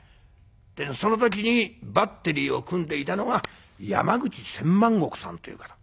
その時にバッテリーを組んでいたのが山口千万石さんという方。